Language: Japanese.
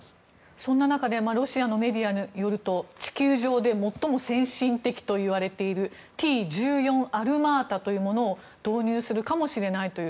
そんな中でロシアメディアによると地球上で最も先進的と言われているＴ１４アルマータというものを導入するかもしれないという。